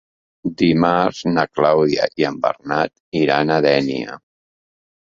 Dimarts na Clàudia i en Bernat iran a Dénia.